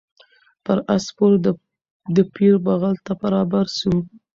پر آس سپور د پیر بغل ته برابر سو